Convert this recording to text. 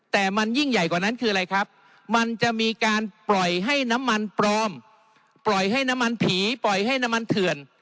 แต่มันยิ่งใหญ่กว่านั้นคืออะไรครับมันจะมีการปล่อยให้น้ำมันปลอมปล่อยให้น้ำมันผีปล่อยให้น้ำมันเถื่อน